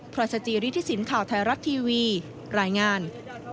พราชจีริทศิลป์ข่าวไทยรัฐทีวีรายงาน